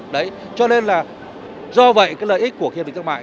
đấy cho nên là do vậy cái lợi ích của hiệp định thương mại